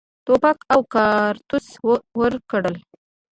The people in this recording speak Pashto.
توپک او کارتوس ورکړل.